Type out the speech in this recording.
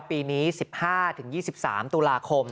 ปีนี้๑๕๒๓ตุลาคม